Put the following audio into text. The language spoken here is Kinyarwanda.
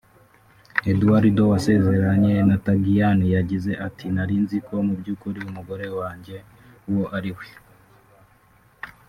Eduardo wasezeranye na Tagiane yagize ati" Nari nziko mu by'ukuri umugore wanjye uwo ariwe